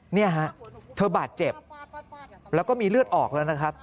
เนี่ยฮะเธอบาดเจ็บแล้วก็มีเลือดออกแล้วนะครับ